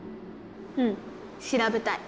うんしらべたい。